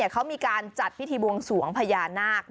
เขามีการจัดพิธีบวงสวงพญานาค